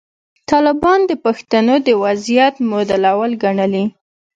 طالبان د پښتنو د وضعیت مدلول ګڼلي.